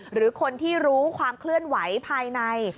หรือคนที่รู้ความเคลื่อนไหวภายใน